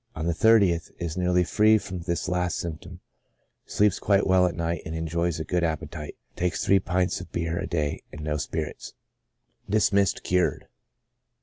On the 30th, is nearly free from this last symptom, sleeps quite well at night, and enjoys a good appetite; takes three pints of beer a day and no spirits. Dismissed cured.